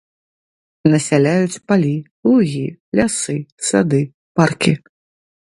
Насяляюць палі, лугі, лясы, сады, паркі.